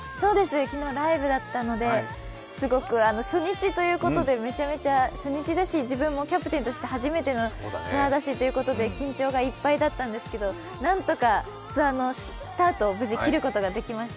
昨日ライブだったので初日ということでめちゃめちゃ初日だし、自分もキャプテンとして初めてのツアーだしということで緊張がいっぱいだったんですけどなんとかツアーのスタートを無事、切ることができました。